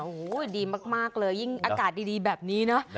โอ้โหดีมากเลยยิ่งอากาศดีแบบนี้เนอะ